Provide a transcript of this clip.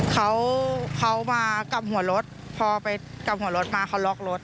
เขาเขามากลับหัวรถพอไปกลับหัวรถมาเขาล็อกรถ